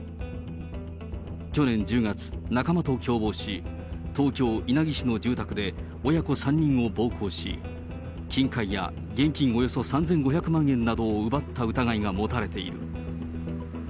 去年１０月、仲間と共謀し、東京・稲城市の住宅で親子３人を暴行し、金塊や現金およそ３５００万円などを奪った疑いが持たれている。